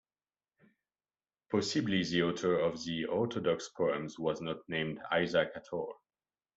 Possibly the author of the orthodox poems was not named Isaac at all.